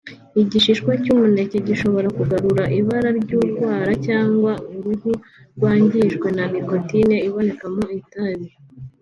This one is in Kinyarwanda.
Igishihwa cy’umuneke gishobora kugarura ibara ry’urwara cyangwa uruhu byangijwe na nicotine iboneka mu itabi